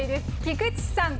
菊地さん。